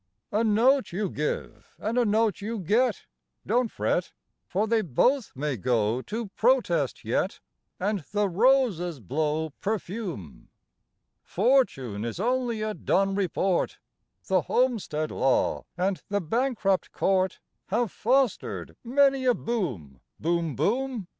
A note you give and a note you get; don't fret, For they both may go to protest yet, And the roses blow perfume. Fortune is only a Dun report; The Homestead Law and the Bankrupt Court Have fostered many a boom, Boom, boom!